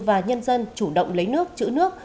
và nhân dân chủ động lấy nước chữ nước